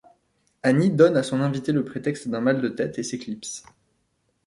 Annie donne à son invité le prétexte d'un mal de tête et s'éclipse.